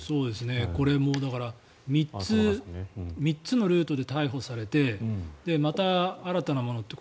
これ３つのルートで逮捕されてまた新たなものと。